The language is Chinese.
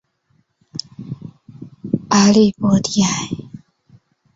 阿利博迪埃。